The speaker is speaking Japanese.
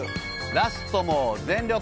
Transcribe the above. ラストも全力！